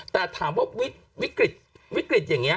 แต่ถามว่าวิกฤตวิกฤตอย่างนี้